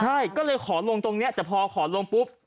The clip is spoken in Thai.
ใช่ก็เลยขอลงตรงนี้แต่พอขอลงปุ๊บ